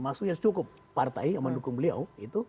maksudnya cukup partai yang mendukung beliau